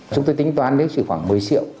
chúng tôi tính toán nếu chỉ khoảng một mươi triệu